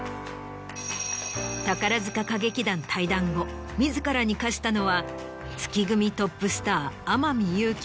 宝塚歌劇団退団後自らに課したのは月組トップスター。